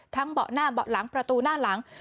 เบาะหน้าเบาะหลังประตูหน้าหลัง